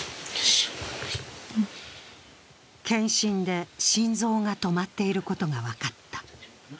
健診で心臓が止まっていることがわかった。